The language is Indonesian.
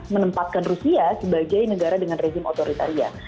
menempatkan rusia sebagai negara dengan rezim otoritaria